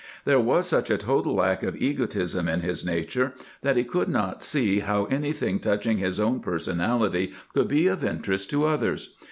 There was such a total lack of egotism in his nature that he could not see how anything touching his own personality could be of in terest to others.